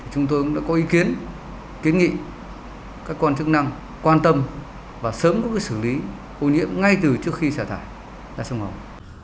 chúng tôi cũng đã có ý kiến kiến nghị các quan chức năng quan tâm và sớm có xử lý ô nhiễm ngay từ trước khi xả thải ra sông hồng